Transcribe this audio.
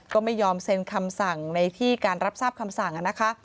ก็ไม่ยอมเซ็นคำสั่งในที่การรับทราบคำสั่งนะคะ